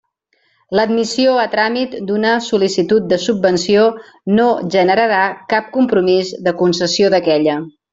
L'admissió a tràmit d'una sol·licitud de subvenció no generarà cap compromís de concessió d'aquella.